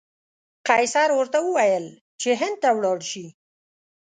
قیصر ورته وویل چې هند ته ولاړ شي.